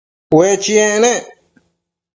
Ue chiec nec